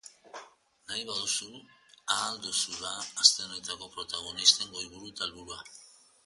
Nahi baduzu, ahal duzu da aste honetako protagonisten goiburu eta helburua.